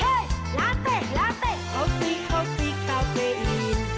เฮ้ยลาเต้ลาเต้ลขาวซีขาวซีคาวเฟย์อีน